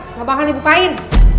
nggak bakal dibukain